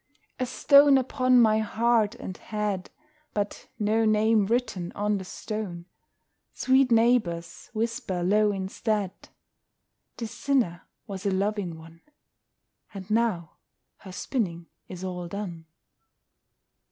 A stone upon my heart and head, But no name written on the stone! Sweet neighbours, whisper low instead, "This sinner was a loving one, And now her spinning is all done."